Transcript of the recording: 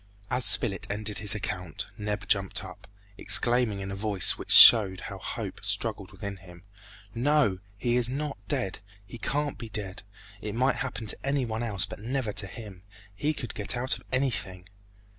As Spilett ended his account, Neb jumped up, exclaiming in a voice which showed how hope struggled within him, "No! he is not dead! he can't be dead! It might happen to any one else, but never to him! He could get out of anything!"